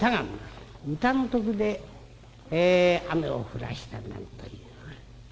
歌の徳で雨を降らしたなんというぐらい。